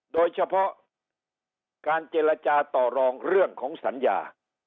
โดยเฉพาะการเจรจาต่อรองเรื่องของสัญญา